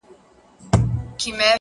زحمت د هیلو د ونې ریښه ده.!